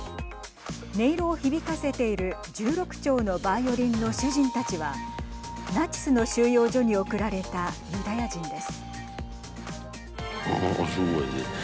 音色を響かせている１６丁のバイオリンの主人たちはナチスの収容所に送られたユダヤ人です。